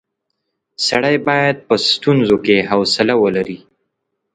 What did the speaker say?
سړی باید په ستونزو کې حوصله ولري.